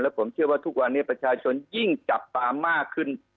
ผมเชื่อว่าทุกวันนี้ประชาชนยิ่งจับตามากขึ้น